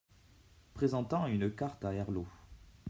Présentant une carte à Herlaut.